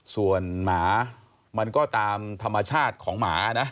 ส่วนหมามันก็ตามธรรมชาติของหมานะ